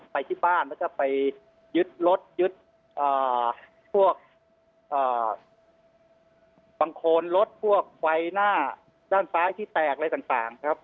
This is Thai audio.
ไปที่บ้านแล้วก็ไปยึดรถยึดพวกบางคนรถพวกไฟหน้าด้านซ้ายที่แตกอะไรต่างครับ